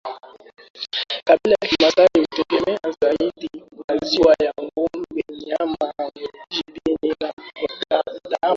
kabila la kimasai hutegemea zaidi maziwa ya ngombe nyama jibini na damu